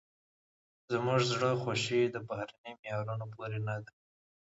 زموږ زړه خوښي د بهرني معیارونو پورې نه ده.